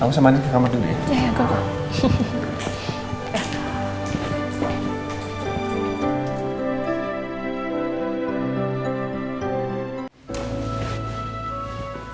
kamu sama anick ke kamar dulu ya